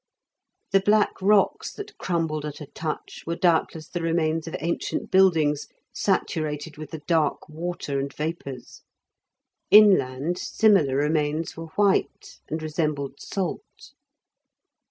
The black rocks that crumbled at a touch were doubtless the remains of ancient buildings saturated with the dark water and vapours. Inland similar remains were white, and resembled salt.